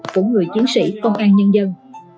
của người chiến sĩ công an nhân dân